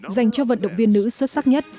dành cho vận động viên nữ xuất sắc nhất